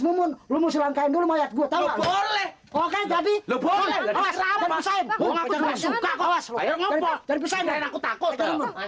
mumun lo mau silangkain dulu mayat gue tahu boleh oke jadi lo boleh dan bisain aku takut